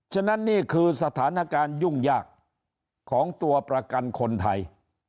ฉะนั้นนี่คือสถานการณ์ยุ่งยากของตัวประกันคนไทย